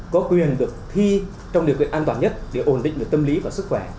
có quyền được thi trong điều kiện an toàn nhất để ổn định được tâm lý và sức khỏe